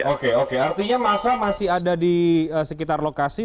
artinya masa masih ada di sekitar lokasi